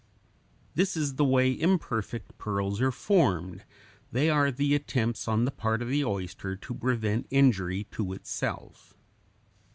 This is the way imperfect pearls are formed; they are the attempts on the part of the oyster to prevent injury to itself.